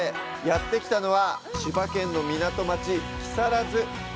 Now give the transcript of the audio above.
やってきたのは千葉県の港町、木更津。